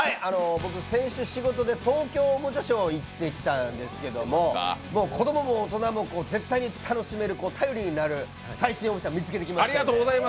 僕、先週、仕事で東京おもちゃショー行ってきたんですけど、子供も大人も絶対に楽しめる頼りになる最新おもちゃ見つけてきました。